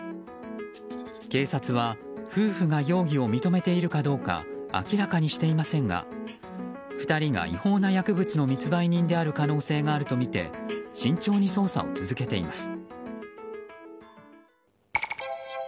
警察は夫婦が容疑を認めているかどうか明らかにしていませんが２人が違法な薬物の密売人である可能性があるとみて慎重に捜査を続けています。